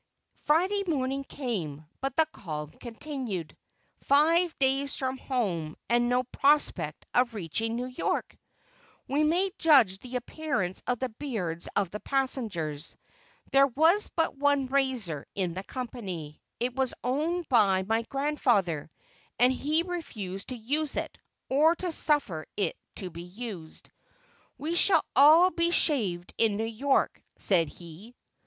Friday morning came, but the calm continued. Five days from home, and no prospect of reaching New York! We may judge the appearance of the beards of the passengers. There was but one razor in the company; it was owned by my grandfather, and he refused to use it, or to suffer it to be used. "We shall all be shaved in New York," said he.